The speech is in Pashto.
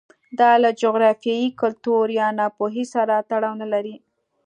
دا له جغرافیې، کلتور یا ناپوهۍ سره تړاو نه لري